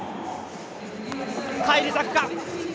返り咲くか。